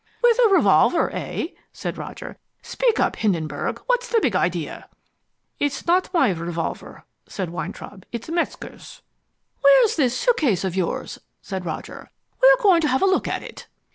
"With a revolver, eh?" said Roger. "Speak up, Hindenburg, what's the big idea?" "It's not my revolver," said Weintraub. "It's Metzger's." "Where's this suitcase of yours?" said Roger. "We're going to have a look at it."